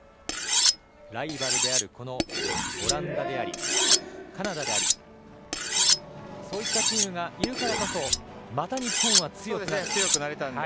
ライバルであるオランダでありカナダでありそういったチームがいるからこそまた日本は強くなれた。